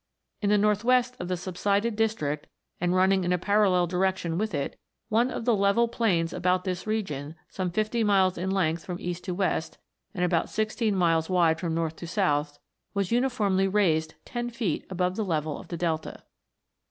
To the north west of the subsided district, and running in a parallel direction with it, one of the level plains about this region, some fifty miles in length from east to west, and about sixteen miles wide from north to south, was uniformly raised ten feet above the level of the delta.